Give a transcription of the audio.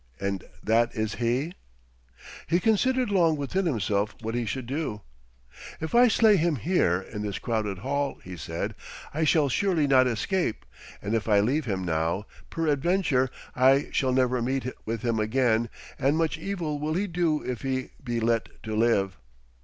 'And that is he?' He considered long within himself what he should do. 'If I slay him here in this crowded hall,' he said, 'I shall surely not escape, and if I leave him now, peradventure I shall never meet with him again, and much evil will he do if he be let to live.'